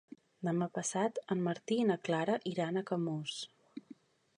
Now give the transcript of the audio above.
Demà passat en Martí i na Clara iran a Camós.